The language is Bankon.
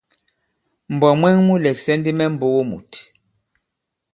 Mbwǎ mwɛ̀ŋ mu lɛ̀ksɛ̀ ndi mɛ mbogo mùt.